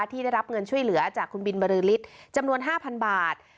ที่ได้รับเงินช่วยเหลือจากคุณบินบรือฤทธิ์จำนวน๕๐๐บาท